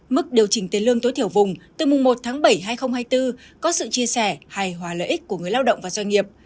mức điều chỉnh tiền lương tối thiểu vùng từ mùng một tháng bảy hai nghìn hai mươi bốn có sự chia sẻ hài hòa lợi ích của người lao động và doanh nghiệp